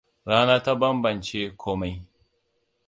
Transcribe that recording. Rana ta banbance komai.